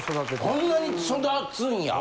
あんなに育つんや。